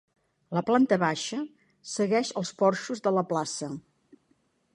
La planta baixa segueix els porxos de la plaça.